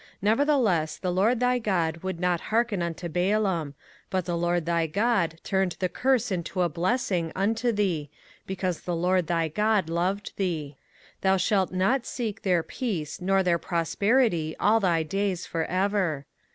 05:023:005 Nevertheless the LORD thy God would not hearken unto Balaam; but the LORD thy God turned the curse into a blessing unto thee, because the LORD thy God loved thee. 05:023:006 Thou shalt not seek their peace nor their prosperity all thy days for ever.